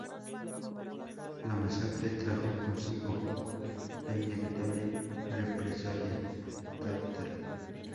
La masacre trajo consigo la inevitable represalia tártara.